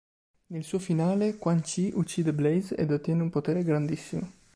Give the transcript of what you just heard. Nel suo finale, Quan Chi uccide Blaze ed ottiene un potere grandissimo.